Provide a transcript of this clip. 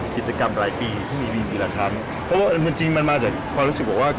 กิจกรรมหลายปีเขามีวีปีละครั้งเพราะว่ามันจริงมันมาจากความรู้สึกบอกว่า